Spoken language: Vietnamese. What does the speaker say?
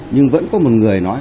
nhưng vẫn có một người nói